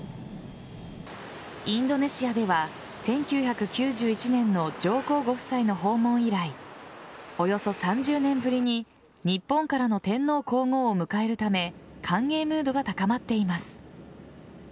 インドネシアでは１９９１年の上皇ご夫妻の訪問以来およそ３０年ぶりに日本からの天皇皇后を迎えるため歓迎ムードが高まっています。